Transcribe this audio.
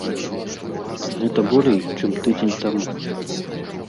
Гэта болей, чым тыдзень таму.